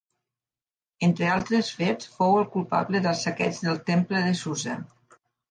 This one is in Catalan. Entre altres fets fou el culpable del saqueig del temple de Susa.